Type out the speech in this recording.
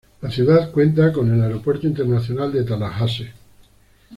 La ciudad cuenta con el Aeropuerto Internacional de Tallahassee.